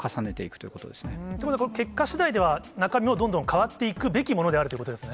ということは結果しだいでは、中身もどんどん変わっていくべきものであるということですね？